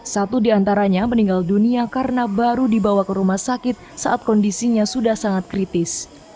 satu di antaranya meninggal dunia karena baru dibawa ke rumah sakit saat kondisinya sudah sangat kritis